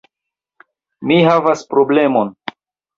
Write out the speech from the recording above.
Mi havas problemon.